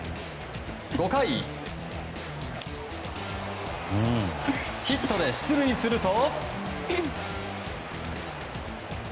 ５回、ヒットで出塁すると。